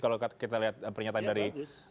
kalau kita lihat pernyataan dari